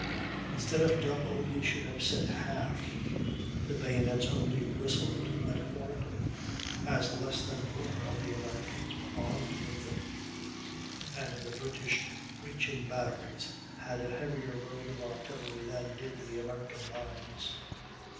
Instead of double, he should have said half; the bayonets only "bristled" metaphorically, as less than a quarter of the Americans were armed with them; and the British breaching batteries had a heavier "load" of artillery than did the American lines.